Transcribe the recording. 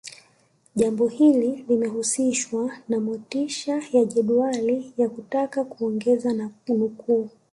Jambo hili limehusishwa na motisha ya majedwali ya kutaka kuongeza nukuu